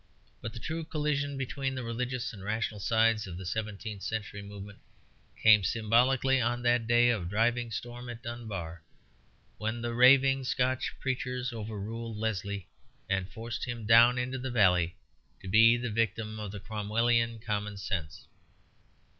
But the true collision between the religious and rational sides of the seventeenth century movement came symbolically on that day of driving storm at Dunbar, when the raving Scotch preachers overruled Leslie and forced him down into the valley to be the victim of the Cromwellian common sense.